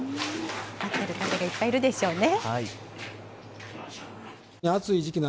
待ってる方がいっぱいいるでしょうね。